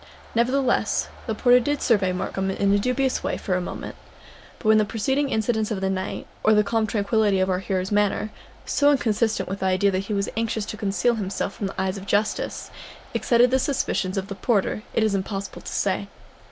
Nevertheless, the porter did survey Markham in a dubious way for a moment; but whether the preceding incidents of the night, or the calm tranquillity of our hero's manner,—so inconsistent with the idea that he was anxious to conceal himself from the eyes of justice,—excited the suspicions of the porter, it is impossible to say.